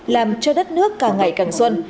làm cho đất nước càng ngày càng xuân